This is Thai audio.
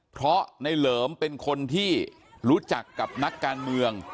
เพราะในเหลิมเป็นคนที่รู้จักกับนักการเมือง